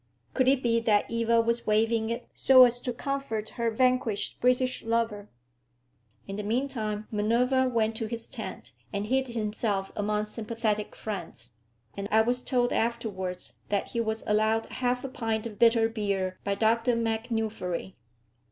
Could it be that Eva was waving it so as to comfort her vanquished British lover? In the meantime Minerva went to his tent, and hid himself among sympathetic friends; and I was told afterwards that he was allowed half a pint of bitter beer by Dr MacNuffery.